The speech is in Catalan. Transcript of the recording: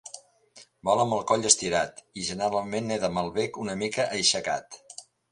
Vola amb el coll estirat i generalment neda amb el bec una mica aixecat.